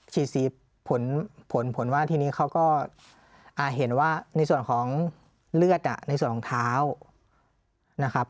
สีผลผลว่าทีนี้เขาก็เห็นว่าในส่วนของเลือดในส่วนของเท้านะครับ